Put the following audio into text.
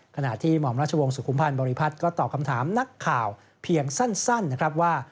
ขณะที่หม่อมราชวงศ์สุขุมพันธ์บริพัฒน์ก็ตอบคำถามนักข่าวเพียงสั้นนะครับว่า